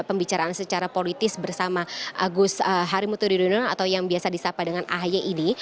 pembicaraan secara politis bersama agus harimurti yudhoyono atau yang biasa disapa dengan ahy ini